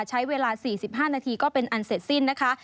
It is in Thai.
ใช้เวลา๔๕นาทีก็เป็นอันเสร็จสิ้นนะคะ